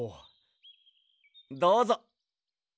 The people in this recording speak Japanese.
どうぞ。